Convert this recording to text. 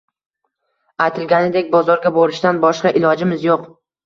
Aytilganidek, bozorga borishdan boshqa ilojimiz yo'q